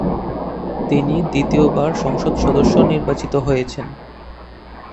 তিনি দ্বিতীয়বার সংসদ সদস্য নির্বাচিত হয়েছেন।